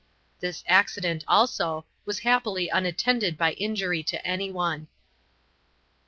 This accident, also, was happily unattended by injury to anyone.